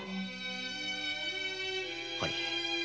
はい。